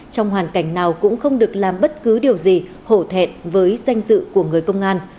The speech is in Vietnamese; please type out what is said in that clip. trong hoàn cảnh nào cũng không được làm bất cứ điều gì hổ thẹn với danh dự của người công an